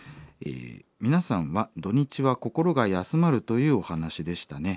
「皆さんは土日は心が安まるというお話でしたね。